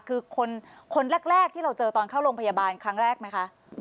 คือคนแรกที่เราเจอตอนเข้าโรงพยาบาลครั้งแรกไหมคะ